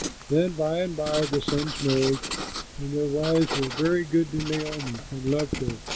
Then, by and by, the sons married, and their wives were very good to Naomi, and loved her.